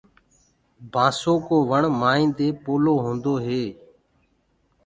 بآسو ڪو وڻ مآئينٚ دي پولو هوندو هي۔